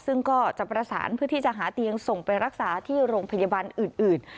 ซึ่งก็จะประสานเพื่อที่จะหาเตียงส่งไปรักษาที่โรงพยาบาลอื่น